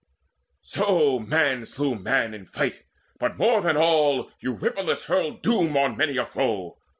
So man slew man in fight; but more than all Eurypylus hurled doom on many a foe.